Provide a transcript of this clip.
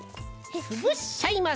つぶしちゃいます。